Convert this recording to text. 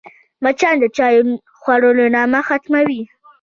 مچان د چايو خوړلو مانا ختموي